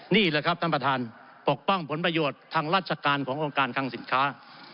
นี่แหละครับท่านประธานปกป้องผลประโยชน์ทางราชการขององค์การคังสินค้า